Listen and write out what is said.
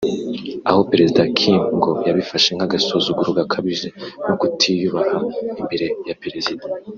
aho perezida Kim ngo yabifashe nk’agasuzuguro gakabije no kutiyubaha imbere ye [perezida]